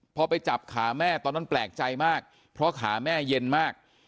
พอไปจับขาแม่ตอนนั้นแปลกใจมากเพราะขาแม่เย็นมาก